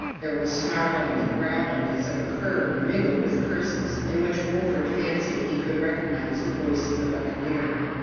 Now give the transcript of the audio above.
There was snarling and growling as of a cur, mingled with curses, in which Wolfert fancied he could recognize the voice of the buccaneer.